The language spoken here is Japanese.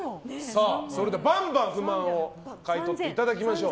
それではバンバン不満を買い取っていただきましょう。